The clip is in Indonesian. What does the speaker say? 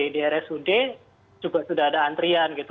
di rsud juga sudah ada antrian gitu